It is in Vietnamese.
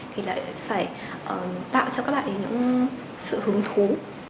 thì lại phải tạo cho các bạn những sự hứng thú